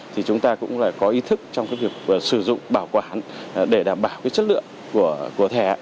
thì chúng ta cũng phải có ý thức trong cái việc sử dụng bảo quản để đảm bảo cái chất lượng của thẻ